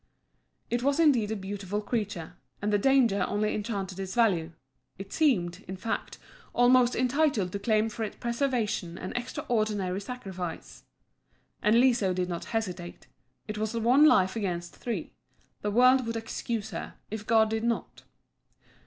It was indeed a beautiful creature, and the danger only enhanced its value; it seemed, in fact, almost entitled to claim for its preservation an extraordinary sacrifice. And Liso did not hesitate. It was one life against three the world would excuse her, if God did not.